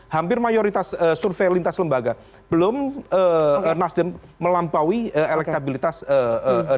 hampir mayoritas survei lintas lembaga belum melampaui elektabilitas demokrat